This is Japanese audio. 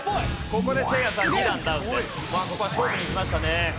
ここは勝負にいきましたね。